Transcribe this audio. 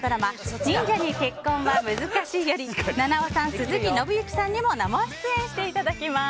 「忍者に結婚は難しい」より菜々緒さん、鈴木伸之さんにも生出演していただきます。